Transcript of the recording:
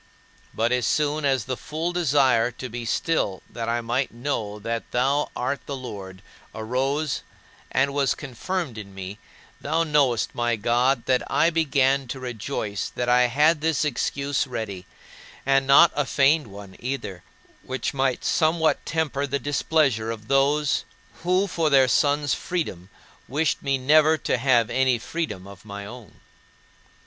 But as soon as the full desire to be still that I might know that thou art the Lord arose and was confirmed in me, thou knowest, my God, that I began to rejoice that I had this excuse ready and not a feigned one, either which might somewhat temper the displeasure of those who for their sons' freedom wished me never to have any freedom of my own.